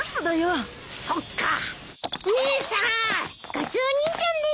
カツオ兄ちゃんです。